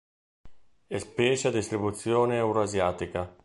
È specie a distribuzione euroasiatica.